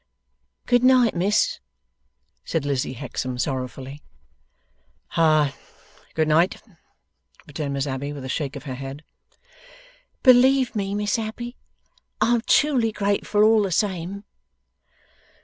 'Good night, Miss!' said Lizzie Hexam, sorrowfully. 'Hah! Good night!' returned Miss Abbey with a shake of her head. 'Believe me, Miss Abbey, I am truly grateful all the same.